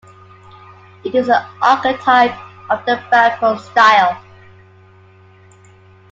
It is the archetype of the Baphuon style.